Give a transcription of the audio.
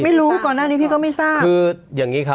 ไม่รู้ก่อนหน้านี้พี่ก็ไม่ทราบ